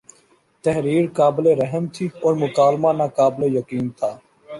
تحریر قابل رحم تھی اور مکالمہ ناقابل یقین تھا